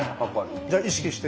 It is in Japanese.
じゃあ意識して。